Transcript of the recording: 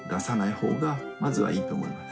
ほうがまずはいいと思います。